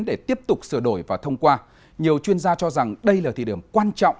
để tiếp tục sửa đổi và thông qua nhiều chuyên gia cho rằng đây là thời điểm quan trọng